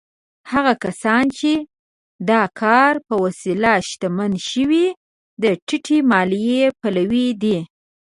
هغه کسان چې د کار په وسیله شتمن شوي، د ټیټې مالیې پلوي دي.